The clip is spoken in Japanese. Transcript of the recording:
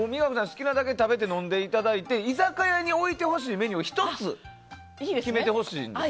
好きなだけ食べて飲んでいただいて居酒屋に置いてほしいメニューを１つ決めてほしいんですって。